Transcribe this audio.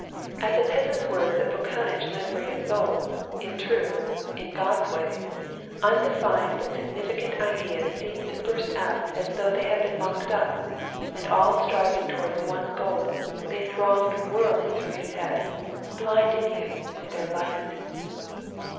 At the peasant's words that Fokanitch lived for his soul, in truth, in God's way, undefined but significant ideas seemed to burst out as though they had been locked up, and all striving towards one goal, they thronged whirling through his head, blinding him with their light.